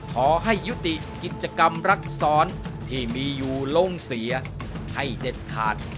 ขอให้ยุติกิจกรรมรักษรที่มีอยู่ลงเสียให้เด็ดขาด